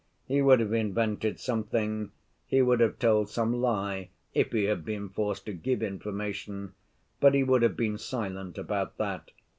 He would have invented something, he would have told some lie if he had been forced to give information, but he would have been silent about that.